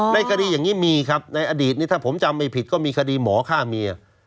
ในคดีอย่างนี้มีครับในอดีตนี้ถ้าผมจำไม่ผิดก็มีคดีหมอฆ่าเมีย